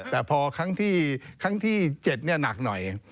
แต่พอครั้งที่๗หนักหน่อย